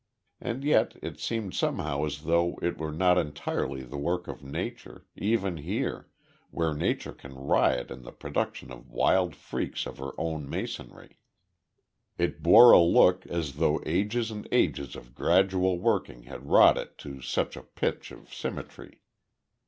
And yet, it seemed somehow as though it were not entirely the work of Nature, even here, where Nature ran riot in the production of wild freaks of her own masonry. It bore a look as though ages and ages of gradual working had wrought it to such a pitch of symmetry.